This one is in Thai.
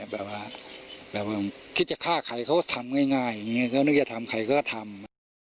แบบว่าคิดจะฆ่าใครเขาก็ทำง่ายอย่างนี้เขานึกจะทำใครก็ทำ